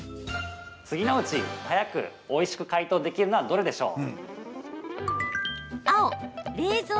次のうち早くおいしく解凍できるのはどれでしょう。